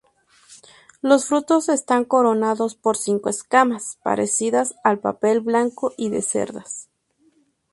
Los frutos están coronados por cinco escamas parecidas al papel blanco y de cerdas.